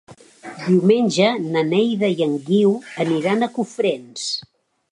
Diumenge na Neida i en Guiu iran a Cofrents.